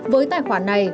với tài khoản này